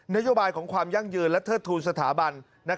นโยบายของความยั่งยืนและเทิดทูลสถาบัน